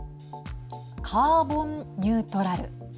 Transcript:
カーボンニュートラル。